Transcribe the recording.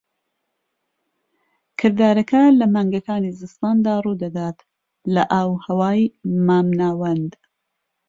کردارەکە لە مانگەکانی زستاندا ڕوودەدات لە ئاوهەوای مامناوەند.